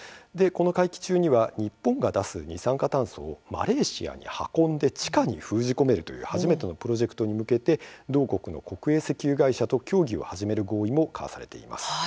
会期中には日本が出す二酸化炭素をマレーシアに運んで地下に封じ込めるという初めてのプロジェクトに向けて同国の国営石油会社と協議開始の合意も交わされました。